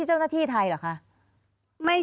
เจ้าหน้าที่แรงงานของไต้หวันบอก